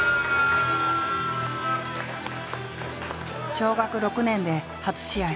小学６年で初試合。